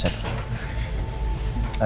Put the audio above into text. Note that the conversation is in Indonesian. ada tambahan informasi yang datang ke saya